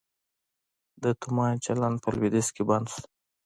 د تومان چلند په لویدیځ کې بند شو؟